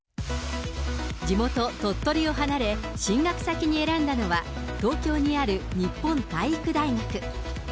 地元鳥取を離れ、進学先に選んだのは、東京にある日本体育大学。